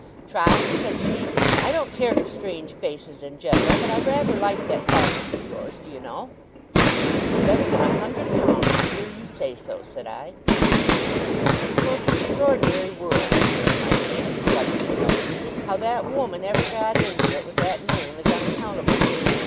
'Trot,' said she, 'I don't care for strange faces in general, but I rather like that Barkis of yours, do you know!' 'It's better than a hundred pounds to hear you say so!' said I. 'It's a most extraordinary world,' observed my aunt, rubbing her nose; 'how that woman ever got into it with that name, is unaccountable to me.